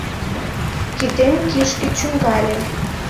Кидем кишке чӱҥгале